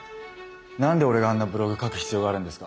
何で俺があんなブログ書く必要があるんですか？